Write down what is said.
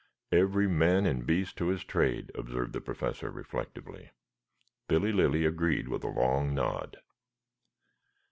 "Every man and beast to his trade," observed the Professor reflectively. Billy Lilly agreed with a long nod.